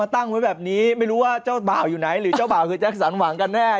ตั้งไว้แบบนี้ไม่รู้ว่าเจ้าบ่าวอยู่ไหนหรือเจ้าบ่าวคือแจ็คสันหวังกันแน่